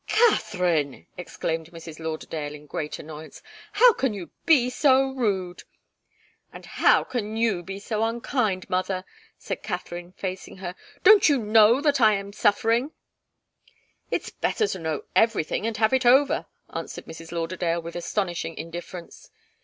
"Katharine!" exclaimed Mrs. Lauderdale, in great annoyance. "How can you be so rude?" "And how can you be so unkind, mother?" asked Katharine, facing her. "Don't you know what I'm suffering?" "It's better to know everything, and have it over," answered Mrs. Lauderdale, with astonishing indifference.